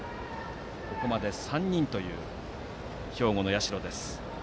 ここまで３人という兵庫の社です。